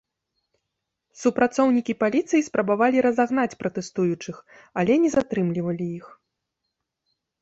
Супрацоўнікі паліцыі спрабавалі разагнаць пратэстуючых, але не затрымлівалі іх.